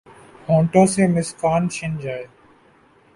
ہونٹوں سے مسکان چھن جائے